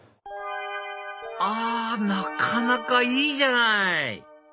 あなかなかいいじゃない！